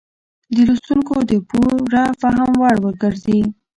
د لوستونکو د پوره فهم وړ وګرځي.